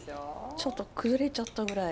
ちょっと崩れちゃったぐらい。